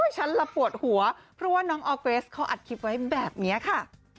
ฉันละปวดหัวเพราะว่าน้องออร์เกรสเขาอัดคลิปไว้แบบนี้ค่ะ